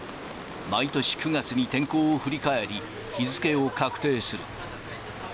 毎年９月に天候を振り返り、日付を確定する。